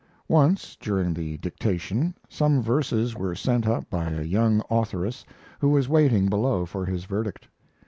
Once, during the dictation, some verses were sent up by a young authoress who was waiting below for his verdict.